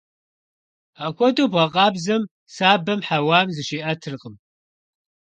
Апхуэдэу бгъэкъабзэм сабэм хьэуам зыщиӀэтыркъым.